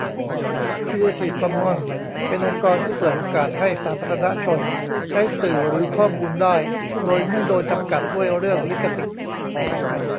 ครีเอทีฟคอมมอนส์ เป็นองค์กรที่เปิดโอกาสให้สาธารณชน ใช้สื่อหรือข้อมูลได้ โดยไม่โดนจำกัดด้วยเรื่องลิขสิทธิ์